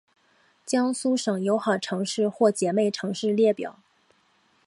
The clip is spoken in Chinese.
江苏省友好城市或姐妹城市列表